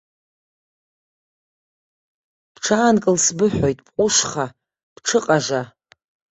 Бҽаанкыл, сбыҳәоит, бҟәышха, бҽыҟажа!